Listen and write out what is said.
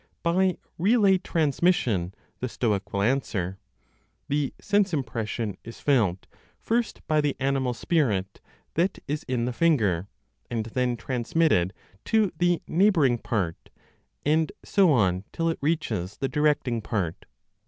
By relay transmission, (the Stoic) will answer; the sense impression is felt first by the animal spirit that is in the finger, and then transmitted to the neighboring part, and so on till it reaches the directing part.